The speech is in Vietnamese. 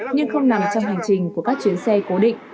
nhưng không nằm trong hành trình của các chuyến xe cố định